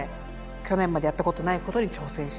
去年までやったことないことに挑戦しよう。